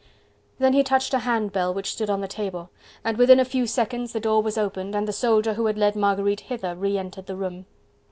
Then he touched a handbell which stood on the table, and within a few seconds the door was opened and the soldier who had led Marguerite hither, re entered the room.